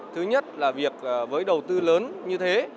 thứ nhất là việc với đầu tư lớn như thế